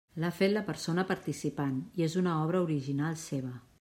L'ha fet la persona participant i és una obra original seva.